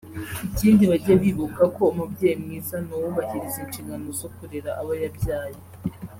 ikindi bajye bibuka ko umubyeyi mwiza ni uwubahiriza inshingano zo kurera abo yabyaye